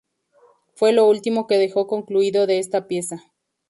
Fue lo último que dejó concluido de esta pieza.